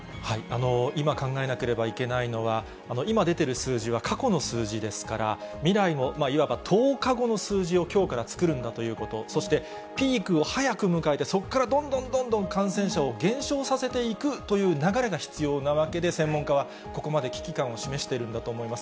今考えなければいけないのは、今出てる数字は過去の数字ですから、未来も、いわば１０日後の数字を、きょうから作るんだということ、そしてピークを早く迎えて、そこからどんどんどんどん感染者を減少させていくという流れが必要なわけで、専門家は、ここまで危機感を示しているんだと思います。